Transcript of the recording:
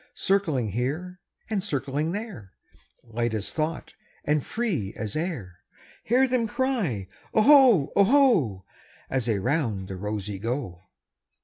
Circling here and circling there, Light as thought and free as air, Hear them cry, "Oho, oho,"As they round the rosey go.